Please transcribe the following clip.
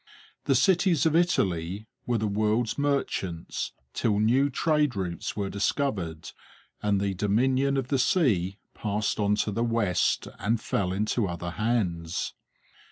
The cities of Italy were the world's merchants till new trade routes were discovered and the dominion of the sea passed on to the west and fell into other hands.